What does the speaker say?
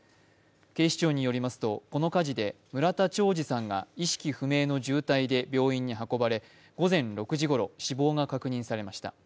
警視庁によりますとこの火事で村田兆治さんが意識不明の状態で病院に運ばれ、午前６時ごろ死亡が確認されました。